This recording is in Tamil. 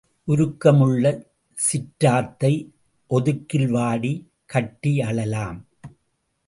உருக்கம் உள்ள சிற்றாத்தை, ஒதுக்கில் வாடி கட்டி அழலாம்.